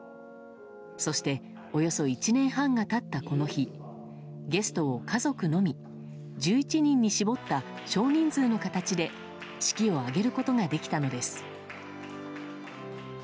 そして、およそ１年半が経ったこの日ゲストを家族のみ１１人に絞った少人数の形で式を挙げることができたのです。